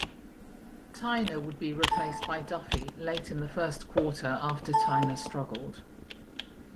Tyner would be replaced by Duffey late in the first quarter after Tyner struggled.